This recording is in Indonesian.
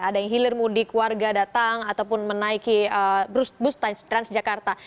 ada yang hilir mudik warga datang ataupun menaiki bus transjakarta